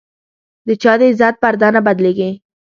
د چا د عزت پرده نه بدلېږي.